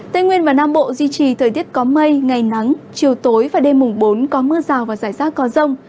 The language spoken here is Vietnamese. tây nguyên và nam bộ duy trì thời tiết có mây ngày nắng chiều tối và đêm mùng bốn có mưa rào và rải rác có rông